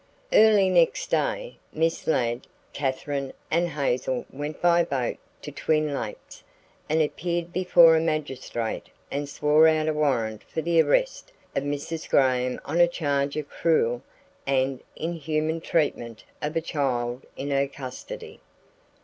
Early next day, Miss Ladd, Katherine, and Hazel went by boat to Twin Lakes and appeared before a magistrate and swore out a warrant for the arrest of Mrs. Graham on a charge of cruel and inhuman treatment of a child in her custody.